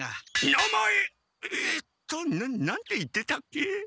えっとな何て言ってたっけ。